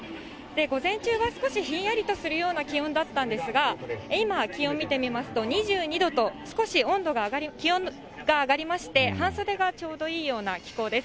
午前中は少しひんやりとするような気温だったんですが、今、気温見てみますと、２２度と、少し気温が上がりまして、半袖がちょうどいいような気候です。